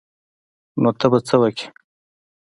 نو ته به څه وکې.